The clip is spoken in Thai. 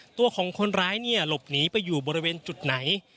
ตัวของคนร้ายเนี่ยหลบหนีไปอยู่บริเวณจุดไหน